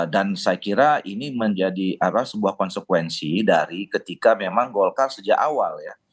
dan saya kira ini menjadi sebuah konsekuensi dari ketika memang golkar sejak awal ya